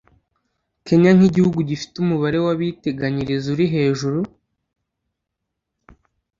Kenya nk’igihugu gifite umubare w’abiteganyiriza uri hejuru